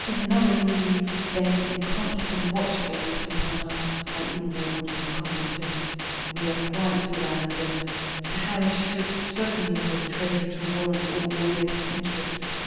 "Another eve bent in constant watchfulness upon us," I inwardly commented. "We are quite surrounded. The house should certainly hold treasure to warrant all this interest.